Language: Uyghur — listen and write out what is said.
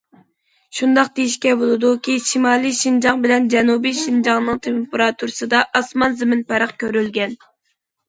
شۇنداق دېيىشكە بولىدۇكى، شىمالىي شىنجاڭ بىلەن جەنۇبىي شىنجاڭنىڭ تېمپېراتۇرىسىدا ئاسمان- زېمىن پەرق كۆرۈلگەن.